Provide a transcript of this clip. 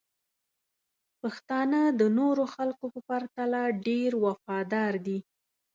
پښتانه د نورو خلکو په پرتله ډیر وفادار دي.